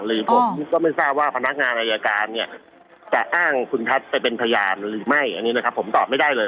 ผมก็ไม่ทราบว่าพนักงานอายการเนี่ยจะอ้างคุณทัศน์ไปเป็นพยานหรือไม่อันนี้นะครับผมตอบไม่ได้เลย